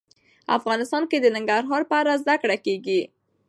افغانستان کې د ننګرهار په اړه زده کړه کېږي.